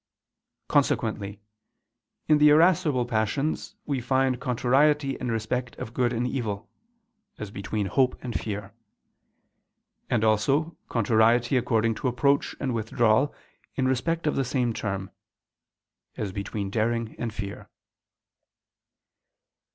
_ Consequently, in the irascible passions we find contrariety in respect of good and evil (as between hope and fear): and also contrariety according to approach and withdrawal in respect of the same term (as between daring and fear).